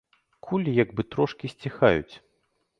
Кулі як бы трошкі сціхаюць.